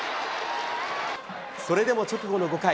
それでも直後の５回。